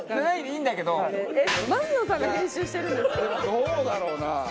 どうだろうな？